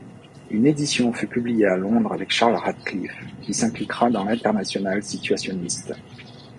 Une édition fut publiée à Londres avec Charles Radcliffe qui s'impliquera dans l'Internationale situationniste.